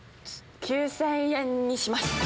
９０００円にします。